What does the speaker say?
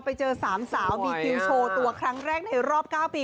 ไปเจอ๓สาวบีคิวโชว์ตัวครั้งแรกในรอบ๙ปี